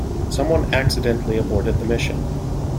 Someone accidentally aborted the mission.